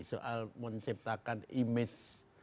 soal menciptakan image